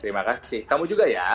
terima kasih kamu juga ya